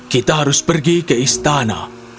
kita harus pergi ke istana